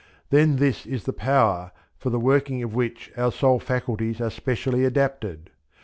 Then this is the Power for the working of which our soul faculties are specially adapted.